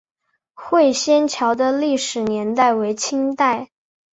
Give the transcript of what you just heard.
会仙桥的历史年代为清代。